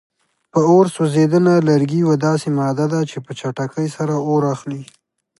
په اور سوځېدنه: لرګي یوه داسې ماده ده چې په چټکۍ سره اور اخلي.